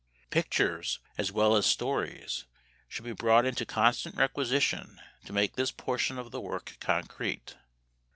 Pictures, as well as stories, should be brought into constant requisition to make this portion of the work concrete.